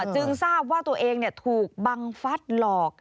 จึงทราบว่าตัวเองถูกบังฟัฐหลอก